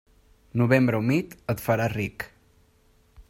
Novembre humit et farà ric.